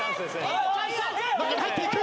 中に入っていく。